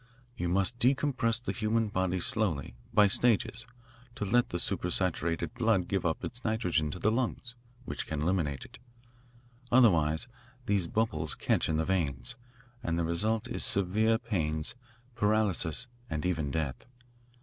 You must decompress the human body slowly, by stages, to let the super saturated blood give up its nitrogen to the lungs, which can eliminate it. Otherwise these bubbles catch in the veins, and the result is severe pains, paralysis, and even death.